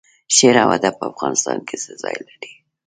شعر او ادب په افغانستان کې څه ځای لري؟